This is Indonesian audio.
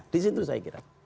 disitu saya kira